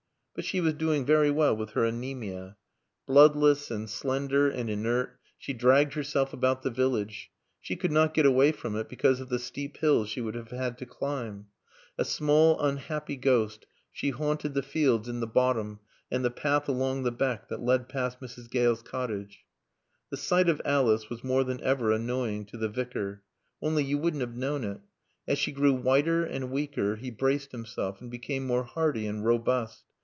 But she was doing very well with her anæmia. Bloodless and slender and inert, she dragged herself about the village. She could not get away from it because of the steep hills she would have had to climb. A small, unhappy ghost, she haunted the fields in the bottom and the path along the beck that led past Mrs. Gale's cottage. The sight of Alice was more than ever annoying to the Vicar. Only you wouldn't have known it. As she grew whiter and weaker he braced himself, and became more hearty and robust.